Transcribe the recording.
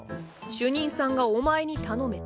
主任さんがお前に頼めと。